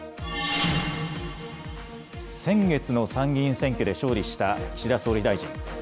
先月の参議院選挙で勝利した岸田総理大臣。